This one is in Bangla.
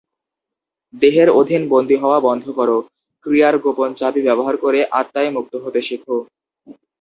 দেহের অধীন বন্দী হওয়া বন্ধ কর; ক্রিয়ার গোপন চাবি ব্যবহার করে, আত্মায় মুক্ত হতে শেখ।